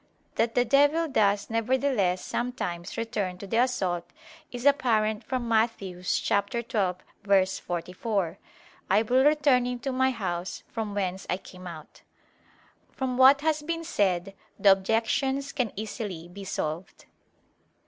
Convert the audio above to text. That the devil does nevertheless sometimes return to the assault, is apparent from Matt. 12:44: "I will return into my house from whence I came out." From what has been said, the objections can easily be solved.